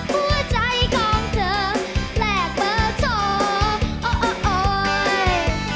หัวใจของเธอแหลกเบอร์โทร